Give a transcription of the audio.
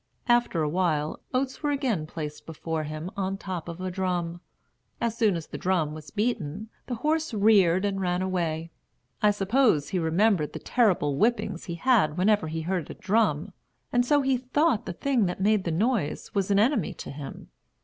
After a while, oats were again placed before him on the top of a drum. As soon as the drum was beaten, the horse reared and ran away. I suppose he remembered the terrible whippings he had had whenever he heard a drum, and so he thought the thing that made the noise was an enemy to him.